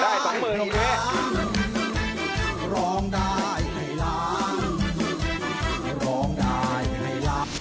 ได้๒หมื่นตรงนี้